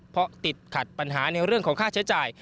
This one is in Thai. เพราะติดขัดปัญหาในเรื่องของค่าใช้จ่าย